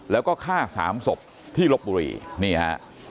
แล้วก็ฆ่าสามศพที่ลบบุรีนี่ฮะ